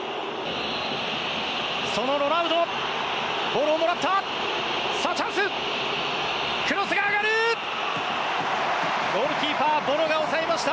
そのロナウドボールをもらった！